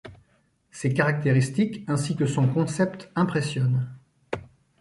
Ses caractéristiques ainsi que son concept impressionnent.